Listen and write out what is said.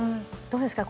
どうですか？